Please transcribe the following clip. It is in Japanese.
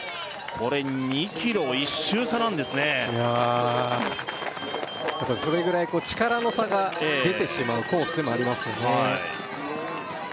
これ２ｋｍ１周差なんですねいやそれぐらい力の差が出てしまうコースでもありますよね